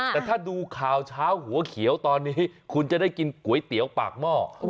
แต่ถ้าดูข่าวเช้าหัวเขียวตอนนี้คุณจะได้กินก๋วยเตี๋ยวปากหม้อ